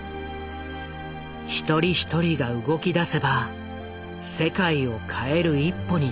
一人一人が動きだせば世界を変える一歩につながる。